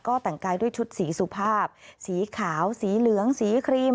ก็แต่งกายด้วยชุดสีสุภาพสีขาวสีเหลืองสีครีม